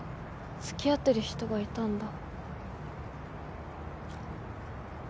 付き合ってる人がいたんだ。